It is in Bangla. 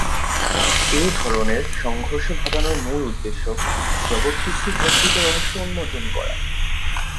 এ ধরনের সংঘর্ষ ঘটানোর মূল উদ্দেশ্য জগৎ সৃষ্টির প্রকৃত রহস্য উন্মোচন করা।